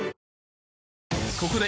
ここで。